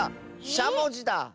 しゃもじだ。